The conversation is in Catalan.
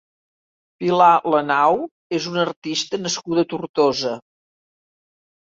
Pilar Lanau és una artista nascuda a Tortosa.